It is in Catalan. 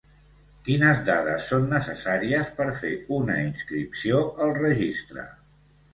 Quines dades són necessàries per fer una inscripció al registre?